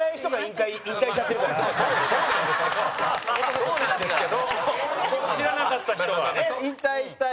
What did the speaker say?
そうなんですけど！